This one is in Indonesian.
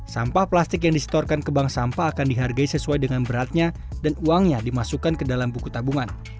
sampah plastik yang disetorkan ke bank sampah akan dihargai sesuai dengan beratnya dan uangnya dimasukkan ke dalam buku tabungan